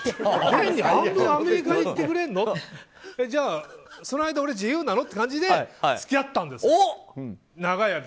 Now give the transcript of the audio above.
じゃあ、その間、俺自由なの？って感じで付き合ったんです。